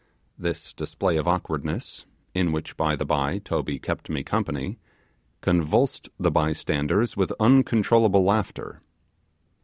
This display of awkwardness in which, by the bye, Toby kept me company convulsed the bystanders with uncontrollable laughter.